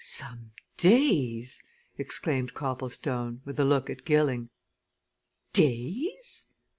"Some days!" exclaimed Copplestone, with a look at Gilling. "Days?"